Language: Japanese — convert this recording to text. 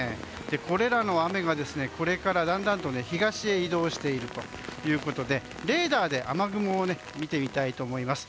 これらの雨がこれからだんだんと東へ移動しているということでレーダーで雨雲を見ていきたいと思います。